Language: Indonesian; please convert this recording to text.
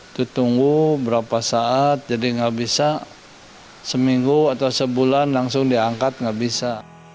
itu tunggu berapa saat jadi nggak bisa seminggu atau sebulan langsung diangkat nggak bisa